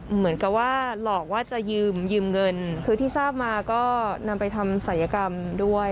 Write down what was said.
เหมือนกับว่าหลอกว่าจะยืมยืมเงินคือที่ทราบมาก็นำไปทำศัยกรรมด้วย